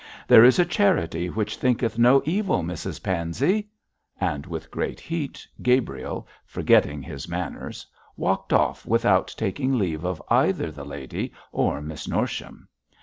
There is a charity which thinketh no evil, Mrs Pansey,' and with great heat Gabriel, forgetting his manners, walked off without taking leave of either the lady or Miss Norsham.